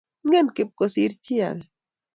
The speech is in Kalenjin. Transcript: Ingen Kip kosiir chi age